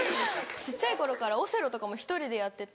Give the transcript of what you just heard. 小っちゃい頃からオセロとかも１人でやってて。